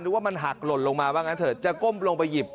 ว่ามันหักหล่นลงมาว่างั้นเถอะจะก้มลงไปหยิบ